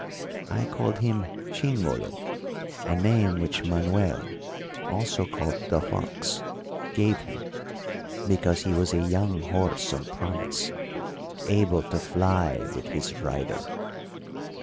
I called him Chingolo, a name which Manuel, also called the Fox, gave him, because he was a young horse of promise, able to fly with his rider.